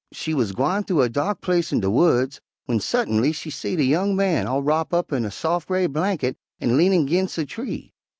She wuz gwine thu a dark place in de woods w'en suddintly she seed a young man all wrop up in a sof' gray blankit an' leanin' 'gins' a tree.